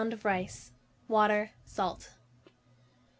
of rice, water, salt.